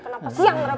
kenapa siang repotin bu